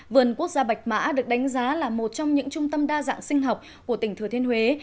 vườn quốc gia bạch mã được đánh giá là một trong những trung tâm đa dạng sinh học của tỉnh thừa thiên huế